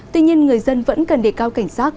tuy nhiên người dân vẫn cần đề cao cảnh sát